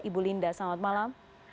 ibu linda selamat malam